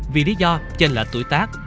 vì lý do trên lệch tuổi tác